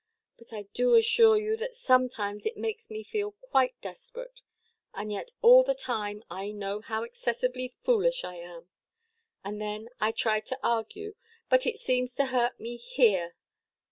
But I do assure you that sometimes it makes me feel quite desperate. And yet all the time I know how excessively foolish I am. And then I try to argue, but it seems to hurt me here.